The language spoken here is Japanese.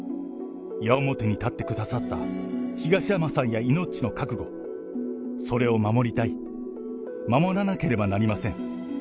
矢面に立ってくださった東山さんやイノッチの覚悟、それを守りたい、守らなければなりません。